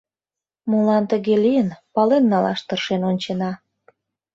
Молан тыге лийын, пален налаш тыршен ончена.